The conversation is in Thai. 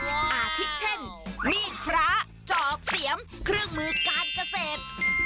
อาทิตย์เช่นมีดพระจอกเสียมเครื่องมือการเกษตร